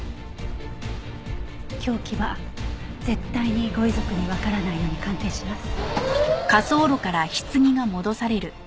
凶器は絶対にご遺族にわからないように鑑定します。